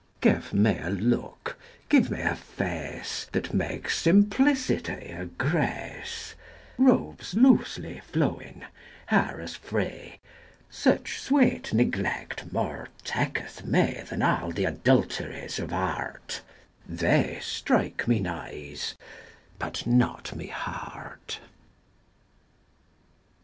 Give me a look, give me a face That makes simplicity a grace; Robes loosely flowing, hair as free: Such sweet neglect more taketh me 10 Than all th' adulteries of art; They strike mine eyes, but not my heart.